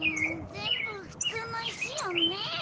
ぜんぶふつうの石よねえ。